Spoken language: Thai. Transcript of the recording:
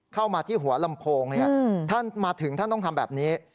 เข้ามาที่หัวลำโพงท่านมาถึงท่านต้องทำแบบนี้